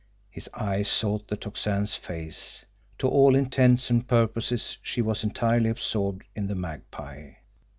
His eyes sought the Tocsin's face. To all intents and purposes she was entirely absorbed in the Magpie.